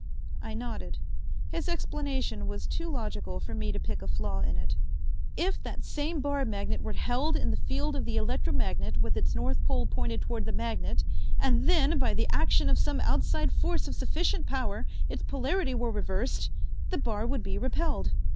I nodded. His explanation was too logical for me to pick a flaw in it. "If that same bar magnet were held in the field of the electromagnet with its north pole pointed toward the magnet and then, by the action of some outside force of sufficient power, its polarity were reversed, the bar would be repelled.